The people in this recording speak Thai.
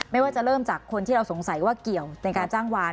ไม่ว่าจะเริ่มจากคนที่เราสงสัยว่าเกี่ยวในการจ้างวาน